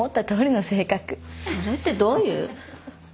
それってどういう？